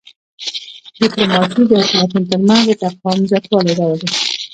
ډیپلوماسي د حکومتونو ترمنځ د تفاهم زیاتوالی راولي.